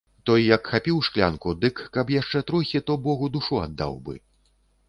Той як хапіў шклянку, дык каб яшчэ трохі, то богу душу аддаў бы.